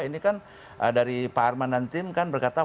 ini kan dari pak arman dan tim kan berkata